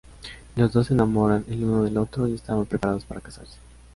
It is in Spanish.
Los dos se enamoran el uno del otro y estaban preparados para casarse.